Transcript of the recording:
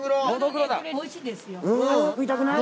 おいしいですよ。